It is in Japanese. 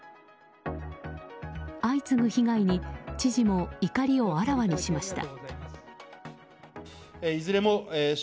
相次ぐ被害に知事も怒りをあらわにしました。